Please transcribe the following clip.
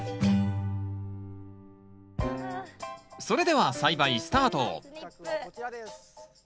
それでは栽培スタート